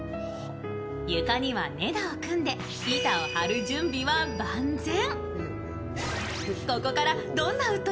床には根太を組んで板を張る準備は万全。